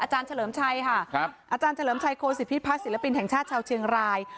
อาจารย์เฉลิมชัยค่ะอาจารย์เฉลิมชัยโครสิทธิ์ภาคศิลปินแห่งชาติชาวเชียงราย